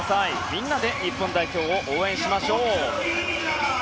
みんなで日本代表を応援しましょう！